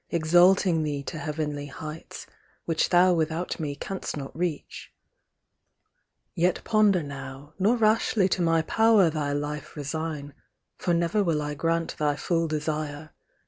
Exalting thee to heavenly heights, which thou Without me canst not reach ; yet ponder now, Nor rashly to my power thy life resign ; For never will I grant thy full desire.